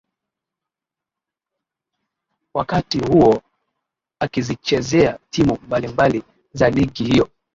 wakati huo akizichezea timu mbalimbali za ligi hiyo